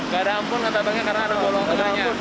gak ada ampun kata bang ya karena ada golong tengahnya